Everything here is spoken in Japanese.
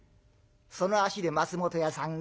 その足で松本屋さんへ。